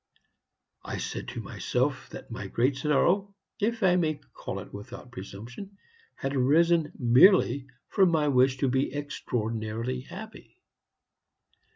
I said to myself that my great sorrow if I may so call it without presumption had arisen merely from my wish to be extraordinarily happy.